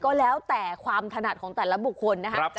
ก็แล้วแต่ความถนัดของแต่ละบุคคลนะครับ